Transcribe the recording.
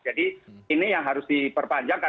jadi ini yang harus diperpanjangkan